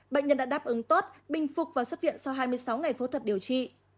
bệnh nhân đã đáp ứng tốt bình phục và xuất viện sau hai mươi sáu ngày phẫu thuật điều trị